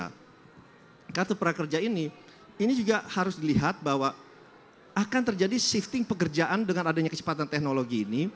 nah kartu prakerja ini ini juga harus dilihat bahwa akan terjadi shifting pekerjaan dengan adanya kecepatan teknologi ini